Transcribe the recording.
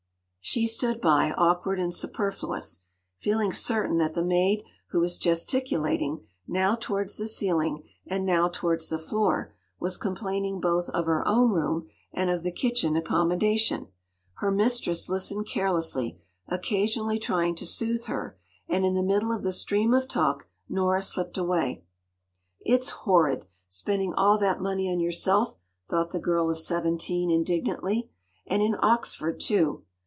She stood by awkward and superfluous, feeling certain that the maid who was gesticulating, now towards the ceiling, and now towards the floor, was complaining both of her own room and of the kitchen accommodation. Her mistress listened carelessly, occasionally trying to soothe her, and in the middle of the stream of talk, Nora slipped away. “It’s horrid!—spending all that money on yourself,” thought the girl of seventeen indignantly. “And in Oxford too!